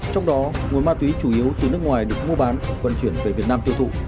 trong đó nguồn ma túy chủ yếu từ nước ngoài được mua bán vận chuyển về việt nam tiêu thụ